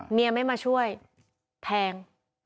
เมียไม่มาช่วยแทง